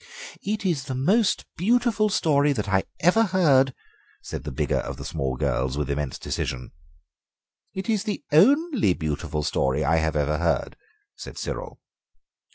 "It is the most beautiful story that I ever heard," said the bigger of the small girls, with immense decision. "It is the only beautiful story I have ever heard," said Cyril.